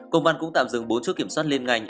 công an cũng tạm dừng bốn chốt kiểm soát liên ngành